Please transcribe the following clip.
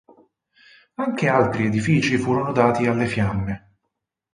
Anche altri edifici furono dati alle fiamme.